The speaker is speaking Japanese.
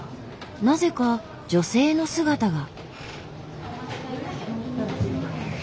なぜか女性の姿が。